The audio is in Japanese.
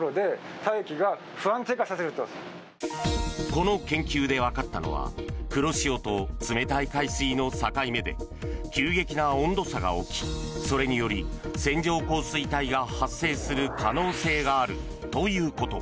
この研究で分かったのは黒潮と冷たい海水の境目で急激な温度差が起きそれにより線状降水帯が発生する可能性があるということ。